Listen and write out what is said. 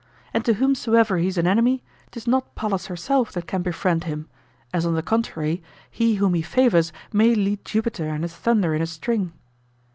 And to whomsoever he's an enemy, 'tis not Pallas herself that can befriend him; as on the contrary he whom he favors may lead Jupiter and his thunder in a string.